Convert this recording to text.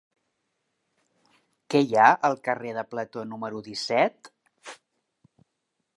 Què hi ha al carrer de Plató número disset?